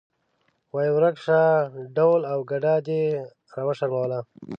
وایې ورک شه ډول او ګډا دې راوشرموله.